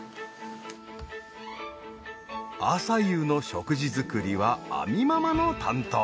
朝夕の食事作りは亜美ママの担当。